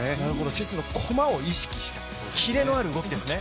チェスの駒を意識した、キレのある動きですね